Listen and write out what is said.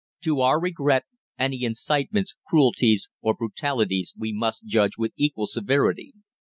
To our regret any incitements, cruelties, or brutalities we must judge with equal severity.